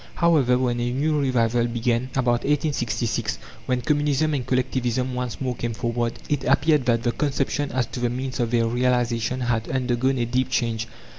However, when a new revival began, about 1866, when Communism and Collectivism once more came forward, it appeared that the conception as to the means of their realization had undergone a deep change.